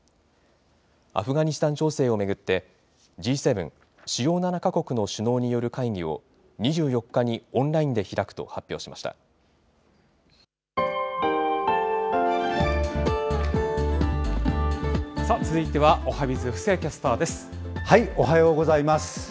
アフガニスタン情勢を巡って、Ｇ７・主要７か国の首脳による会議を２４日にオンラインで開くと続いてはおはＢｉｚ、布施谷おはようございます。